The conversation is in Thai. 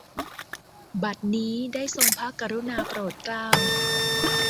บัดนี้ ได้ทรงพระกรุณาโปรดเกล้า